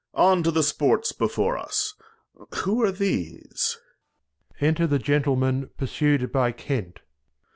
On, to the Sports before us. Who are these ? Enter the Gentleman pursu'd by Kent. Glost.